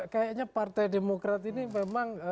kayaknya partai demokrat ini memang